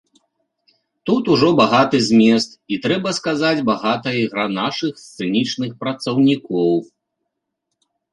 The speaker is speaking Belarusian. Тут ужо багаты змест і, трэба сказаць, багатая ігра нашых сцэнічных працаўнікоў.